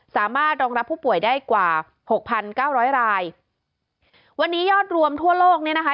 สามารถรองรับผู้ป่วยได้กว่าหกพันเก้าร้อยรายวันนี้ยอดรวมทั่วโลกเนี่ยนะคะ